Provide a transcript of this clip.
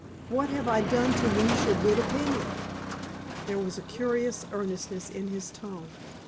What have I done to lose your good opinion?" There was a curious earnestness in his tone.